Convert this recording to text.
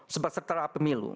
sebagai setara pemilu